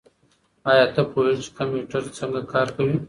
ایا ته پوهېږې چې کمپیوټر څنګه کار کوي؟